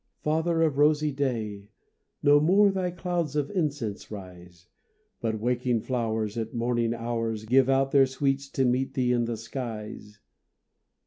Father of rosy day, No more thy clouds of incense rise; But waking flow'rs At morning hours, Give out their sweets to meet thee in the skies.